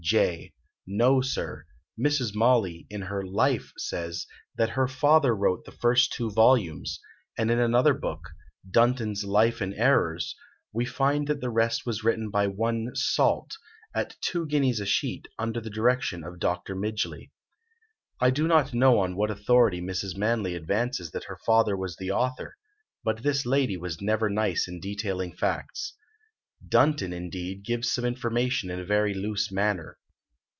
J. No, Sir. Mrs. Mauley, in her 'Life' says, that her father wrote the two first volumes; and in another book 'Dunton's Life and Errours,' we find that the rest was written by one Sault, at two guineas a sheet, under the direction of Dr. Midgeley." I do not know on what authority Mrs. Manley advances that her father was the author; but this lady was never nice in detailing facts. Dunton, indeed, gives some information in a very loose manner.